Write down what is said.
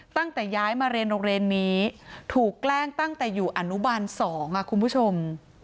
ตั้งแต่ย้ายมาเรียนโรงเรียนนี้ถูกแกล้งตั้งแต่อยู่อนุบาล๒คุณผู้ชม